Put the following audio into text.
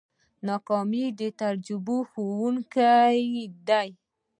ناکامي د تجربې ښوونکې ده.